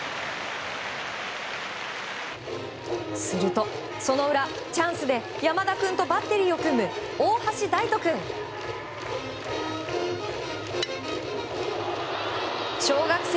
するとその裏、チャンスで山田君とバッテリーを組む大橋大翔君。